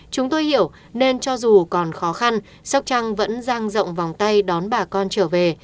chúng tôi hiểu nên cho dù còn khó khăn sóc trăng vẫn giang rộng vòng tay đón bà con trở về